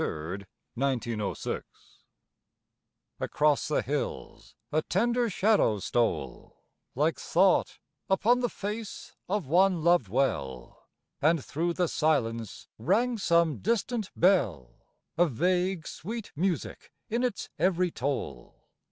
MALVERN July 23rd, 1906 Across the hills a tender shadow stole, Like thought upon the face of one loved well, And thro' the silence rang some distant bell, A vague sweet music in its every toll.